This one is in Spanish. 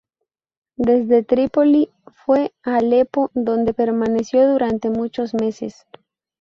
Desde Trípoli fue a Alepo, donde permaneció durante muchos meses.